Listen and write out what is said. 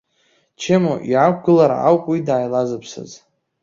Чемо иаақәгылара ауп уи дааилазыԥсаз.